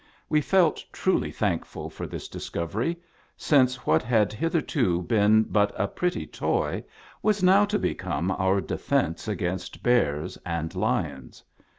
We felt truly thankful for this discovery, since what had hitherto been but a pretty toy was now to become our defence against bears and lions.